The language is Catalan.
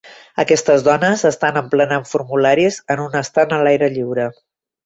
Aquestes dones estan emplenant formularis en un estand a l'aire lliure.